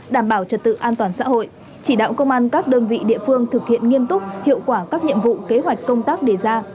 đảm bảo trật tự an toàn xã hội chỉ đạo công an các đơn vị địa phương thực hiện nghiêm túc hiệu quả các nhiệm vụ kế hoạch công tác đề ra